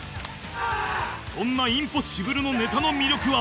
そんなインポッシブルのネタの魅力は